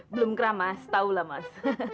belum kera mas tau lah mas